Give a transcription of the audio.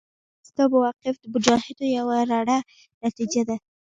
ستا موقف د مجاهدو یوه رڼه نتیجه ده.